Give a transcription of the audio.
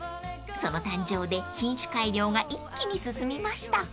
その誕生で品種改良が一気に進みました］